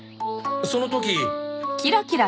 その時。